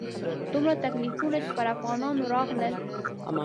دومره تکلیفونه چې پر افغانانو راغلل.